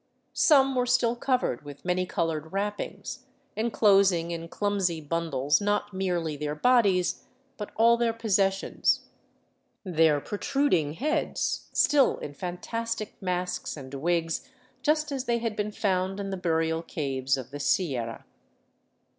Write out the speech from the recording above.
Some were still covered with many colored wrappings, enclosing in clumsy bundles not merely their bodies, but all their possessions, their protruding heads still in fantastic masks and wigs, just as they had been found in the burial caves of the Sierra.